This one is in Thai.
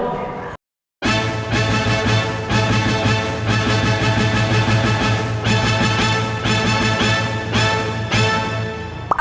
อร่อยค่ะ